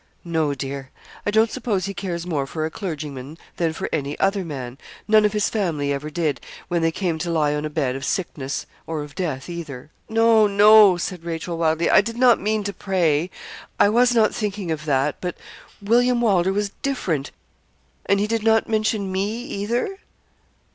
'No, dear. I don't suppose he cares more for a clergyman than for any other man; none of his family ever did, when they came to lie on a bed of sickness, or of death either.' 'No, no,' said Rachel, wildly; 'I did not mean to pray. I was not thinking of that; but William Wylder was different; and he did not mention me either?'